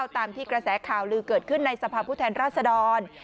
ตามที่กระแสข่าวลือเกิดขึ้นในสภาพผู้แทนราชดร